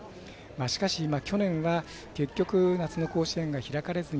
しかし去年は結局、夏の甲子園が開かれずに